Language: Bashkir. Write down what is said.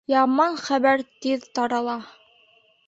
Яман хәбәр тиҙ тарала.